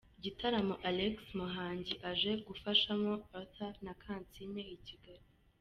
IgitaramoAlex Muhangi aje gufashamo Arthur na Kansiime i Kigali.